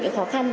những khó khăn